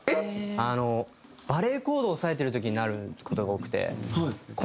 あのバレーコードを押さえてる時になる事が多くて。